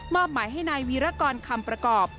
หมายให้นายวีรกรคำประกอบ